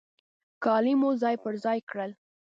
کالي مو ځای پر ځای کړل.